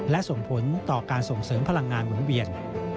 และส่งผลต่อการส่งเสริมพลังงานหมุนเวียน